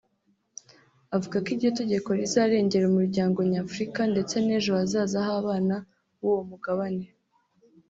Avuga ko iryo tegeko rizarengera umuryango nyafurika ndetse n’ejo hazaza h’abana b’uwo mugabane